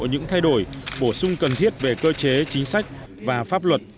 những thay đổi bổ sung cần thiết về cơ chế chính sách và pháp luật